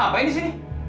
apa yang disini